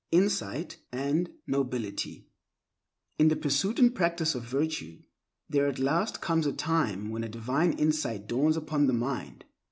8. Insight and Nobility IN THE PURSUIT AND PRACTICE OF VIRTUE, there at last comes a time when a divine insight dawns upon the mind.